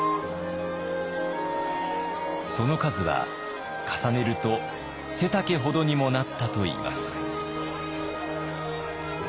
その数は重ねると背丈ほどにもなったといいます。